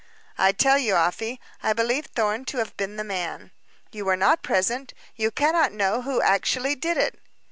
"I tell you, Afy, I believe Thorn to have been the man. You were not present; you cannot know who actually did it."